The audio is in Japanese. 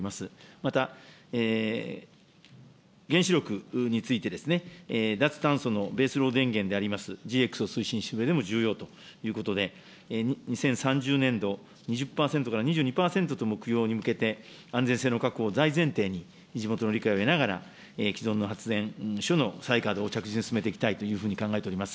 また、原子力について、脱炭素のベース電源でありますＧＸを推進していくうえでも重要ということで、２０３０年度、２０％から２２％との目標に向けて、安全性の確保を大前提に、地元の理解を得ながら既存の発電所の再稼働を着実に進めていきたいというふうに考えております。